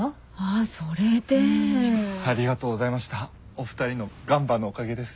お二人のガンバのおかげです。